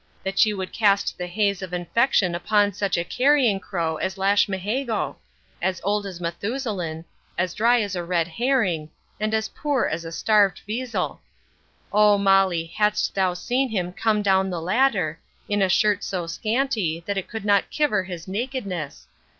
that she would cast the heys of infection upon such a carrying crow as Lashmihago! as old as Mathewsullin, as dry as a red herring, and as poor as a starved veezel 0, Molly, hadst thou seen him come down the ladder, in a shurt so scanty, that it could not kiver his nakedness!